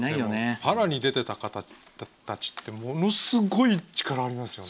パラに出てた方たちってものすごい力がありますよね。